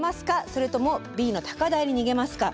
それともＢの高台に逃げますか？